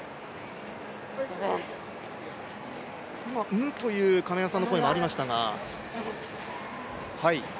うん？という亀山さんの声もありましたが？